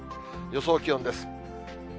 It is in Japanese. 予想気温です。